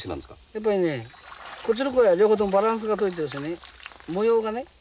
やっぱりねこっちの鯉は両方ともバランスが取れてるしね模様がね。